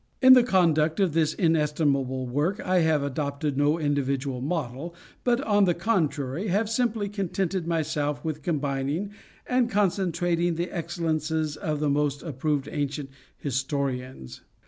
In the conduct, of this inestimable work I have adopted no individual model, but, on the contrary, have simply contented myself with combining and concentrating the excellences of the most approved ancient historians.